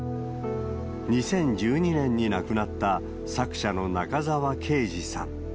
２０１２年に亡くなった、作者の中沢啓治さん。